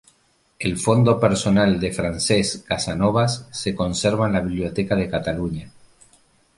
El fondo personal de Francesc Casanovas se conserva en la Biblioteca de Cataluña.